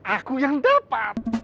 aku yang dapat